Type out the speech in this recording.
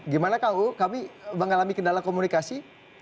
gimana kang uu kami mengalami kendala komunikasi